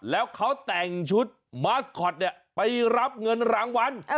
แล้วเขาแต่งชุดมาสคอตไปรับเงินรางวัล